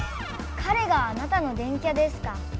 かれがあなたの電キャですか。